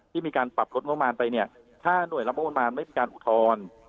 ที่มีการปรับรถโมงมารไปเนี่ยถ้าหน่วยรับโมงมารไม่มีการอุทรอน